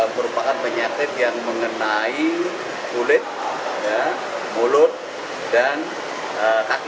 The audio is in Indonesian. merupakan penyakit yang mengenai kulit mulut dan kaki